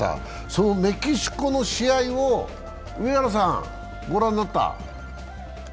そのメキシコの試合を上原さん、ご覧になった？